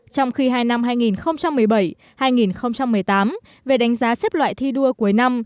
trong khi hai năm hai nghìn một mươi bảy hai nghìn một mươi tám về đánh giá xếp loại thi đua cuối năm